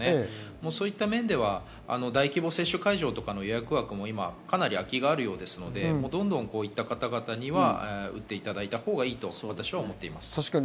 そういった面では大規模接種会場とかの予約枠もかなり空きがあるみたいなのでどんどんこういった方々には打っていただいたほうがいいと私は思っています。